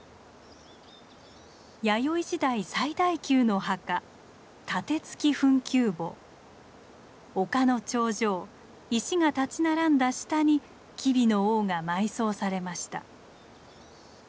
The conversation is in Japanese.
弥生時代最大級の墓丘の頂上石が立ち並んだ下に吉備の王が埋葬されました。